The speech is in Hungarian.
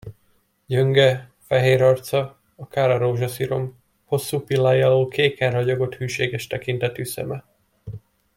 Gyönge, fehér arca, akár a rózsaszirom, hosszú pillái alól kéken ragyogott hűséges tekintetű szeme.